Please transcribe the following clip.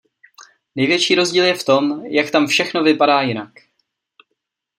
Největší rozdíl je v tom, jak tam všechno vypadá jinak.